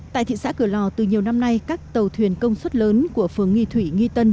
tại thị xã cửa lò từ nhiều năm nay các tàu thuyền công suất lớn của phường nghị thủy nghi tân